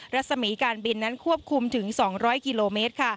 รัศมีการบินนั้นควบคุมถึง๒๐๐กิโลเมตร